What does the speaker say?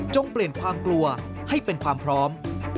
เปลี่ยนความกลัวให้เป็นความพร้อม